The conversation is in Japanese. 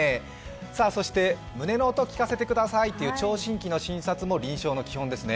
胸の音、聞かせてくださいという聴診器の診察も臨床の基本ですね。